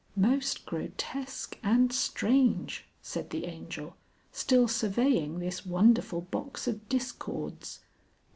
"Most grotesque and strange!" said the Angel, still surveying this wonderful box of discords.